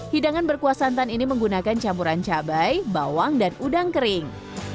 hidangan berkuah santan ini menggunakan campuran cabai bawang dan udang kering